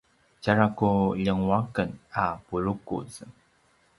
tjara ku ljenguaqen a purukuz